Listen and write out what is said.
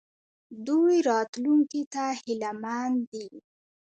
دوی راتلونکي ته هیله مند دي.